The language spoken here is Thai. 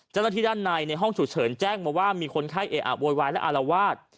ด้านในในห้องฉุกเฉินแจ้งมาว่ามีคนไข้เออะโวยวายและอารวาส